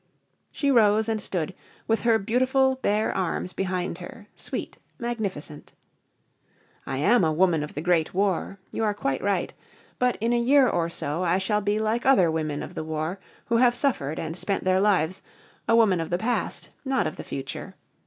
She rose and stood, with her beautiful bare arms behind her, sweet, magnificent. "I am a Woman of the Great War. You are quite right. But in a year or so I shall be like other women of the war who have suffered and spent their lives, a woman of the past not of the future.